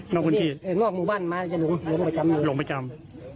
เป็นคุณพี่เอ่ยนอกหมู่บ้านมาจะลงลงคับจำลงประจำ